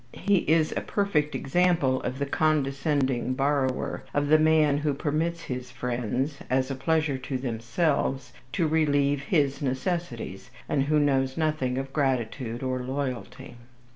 He is a perfect example of the condescending borrower, of the man who permits his friends, as a pleasure to themselves, to relieve his necessities, and who knows nothing of gratitude or loyalty.